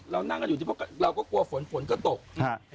เรานั่งกันอยู่ตรงเราก็กลัวฝนฝนก็ตกฮะ